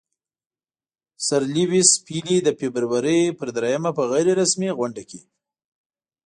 سر لیویس پیلي د فبرورۍ پر دریمه په غیر رسمي غونډه کې.